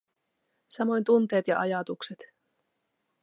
Samoin tunteet ja ajatukset.